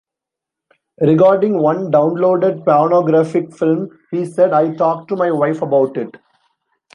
Regarding one downloaded pornographic film, he said: I talked to my wife about it.